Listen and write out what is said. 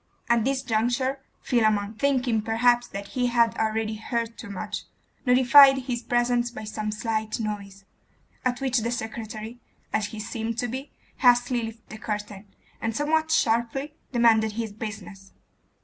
At this juncture Philammon, thinking perhaps that he had already heard too much, notified his presence by some slight noise, at which the secretary, as he seemed to be, hastily lifted the curtain, and somewhat sharply demanded his business.